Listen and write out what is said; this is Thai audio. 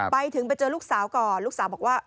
ไปถึงไปเจอลูกสาวก่อนลูกสาวบอกว่า